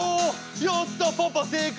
やったパパ正解！